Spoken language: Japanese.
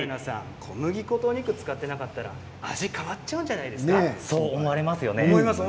小麦粉とお肉を使ってなかったら味が変わっちゃうんじゃそう思いますよね